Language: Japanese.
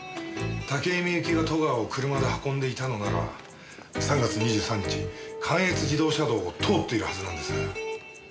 武井美由紀が戸川を車で運んでいたのなら３月２３日関越自動車道を通っているはずなんです。